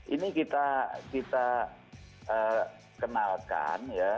ini kita kenalkan ya